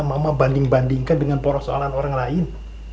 mama banding bandingkan dengan persoalan orang lain